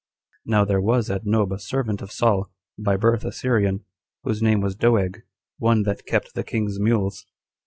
Now there was at Nob a servant of Saul, by birth a Syrian, whose name was Doeg, one that kept the king's mules.